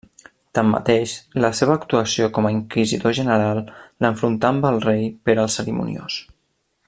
Tanmateix, la seva actuació com a Inquisidor General l'enfrontà amb el rei Pere el Cerimoniós.